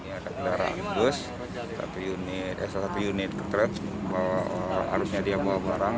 ada kendaraan bus satu unit truk harusnya dia bawa barang